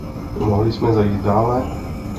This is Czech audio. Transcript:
Mohli jsme zajít dále?